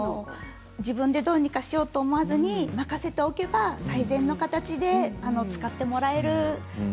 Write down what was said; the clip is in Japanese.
自分でどうにかしようと思わずに任せておけば最善の形で使ってもらえる。